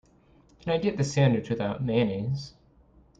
Can I get the sandwich without mayonnaise?